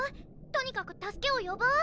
とにかく助けを呼ぼう！